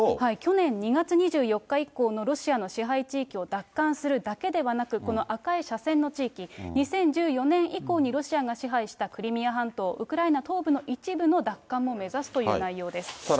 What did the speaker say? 去年２月２４日以降のロシアの支配地域を奪還するだけではなく、この赤い斜線の地域、２０１４年以降にロシアが支配したクリミア半島、ウクライナ東部の一部の奪還も目指すという内容です。